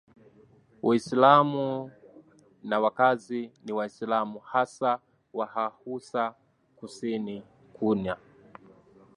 Uislamu na wakazi ni Waislamu hasa Wahausa Kusini kuna